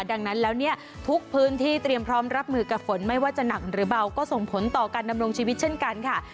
ดังนั้นแล้วเนี่ยทุกพื้นที่เตรียมพร้อมรับมือกับฝนไม่ว่าจะหนักหรือเบาก็ส่งผลต่อการดำรงชีวิตเช่นกันค่ะ